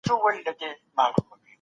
د ښځو تعلیم د ټولنې اړتیا ده.